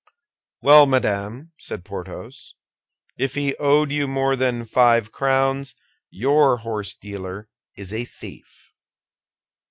"Well, madame," said Porthos, "if he owed you more than five crowns, your horsedealer is a thief."